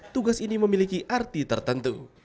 tugas ini memiliki arti tertentu